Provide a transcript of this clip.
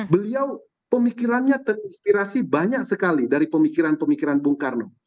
beliau pemikirannya terinspirasi banyak sekali dari pemikiran pemikiran bung karno